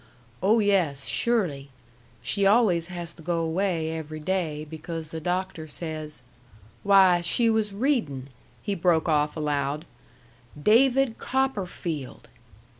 Oh, yes. Surely. She always has to go away every day because the doctor says why, she was readin'!" he broke off, aloud. "DAVID COPPERFIELD."